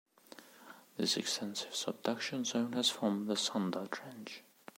This extensive subduction zone has formed the Sunda Trench.